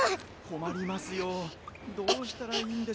こまりますよどうしたらいいんでしょう。